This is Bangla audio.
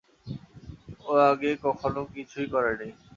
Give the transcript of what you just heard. ও আগে কখনো কিছুই করেনি।